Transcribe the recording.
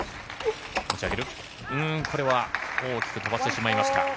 これは大きく飛ばしてしまいました。